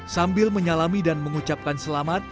sambil menyalami dan mengucapkan selamat